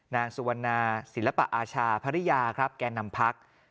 นางสุวรรณาศิลปะอาชาภรรยาครับแก่นำพัก